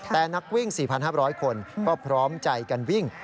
แต่นักวิ่ง๔๕๐๐คนก็พร้อมใจกันวิ่ง